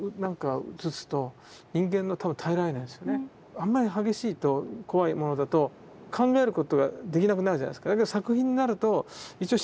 あんまり激しいと怖いものだと考えることができなくなるじゃないですか。